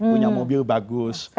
punya mobil bagus